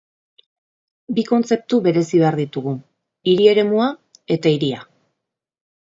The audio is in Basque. Bi kontzeptu berezi behar ditugu: hiri-eremua eta hiria.